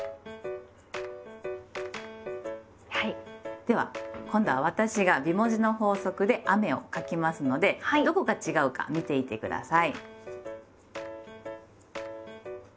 では今度は私が美文字の法則で「雨」を書きますのでどこが違うか見ていて下さい。